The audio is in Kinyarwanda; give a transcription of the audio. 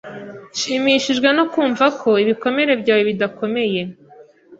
Nshimishijwe no kumva ko ibikomere byawe bidakomeye.